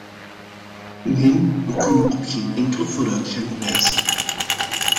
Nee, we kunnen op geen enkele vooruitgang wijzen.